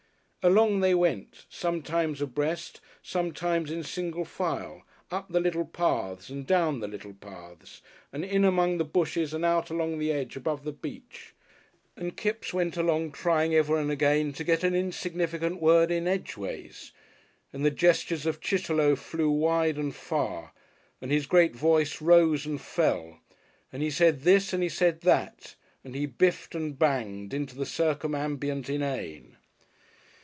Along they went, sometimes abreast, sometimes in single file, up the little paths, and down the little paths, and in among the bushes and out along the edge above the beach, and Kipps went along trying ever and again to get an insignificant word in edgeways, and the gestures of Chitterlow flew wide and far and his great voice rose and fell, and he said this and he said that and he biffed and banged into the circumambient Inane.